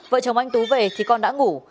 vợ chồng anh tú về thì con đã ngủ